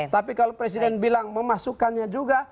tapi kalau presiden bilang memasukkannya juga